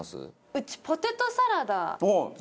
うちポテトサラダが。